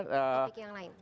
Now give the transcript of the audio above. topik yang lain